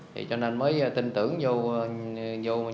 thì cho nên mới tin tưởng vô những cái